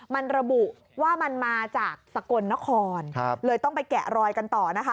มันระบุว่ามันมาจากสกลนครเลยต้องไปแกะรอยกันต่อนะคะ